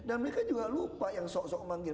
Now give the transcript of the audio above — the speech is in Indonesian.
dan mereka juga lupa yang sok sok manggil